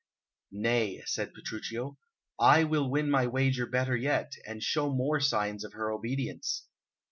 "Nay," said Petruchio, "I will win my wager better yet, and show more signs of her obedience.